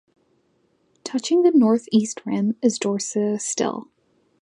Touching the northeast rim is Dorsa Stille.